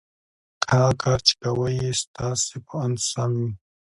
که هغه کار چې کوئ یې ستاسې په اند سم وي